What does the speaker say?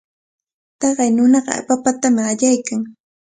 Taqay nunaqa papatami allaykan.